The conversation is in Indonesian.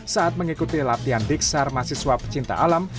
saat mengikuti latihan diksar mahasiswa pecinta alam